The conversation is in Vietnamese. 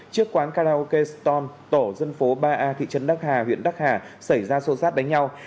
trước quán karaoke storm tổ dân phố ba a thị trấn đắc hà huyện đắc hà xảy ra sâu sát đánh nhau